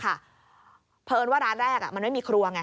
เพราะเอิญว่าร้านแรกมันไม่มีครัวไง